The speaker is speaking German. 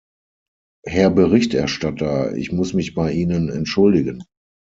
Herr Berichterstatter, ich muss mich bei Ihnen entschuldigen.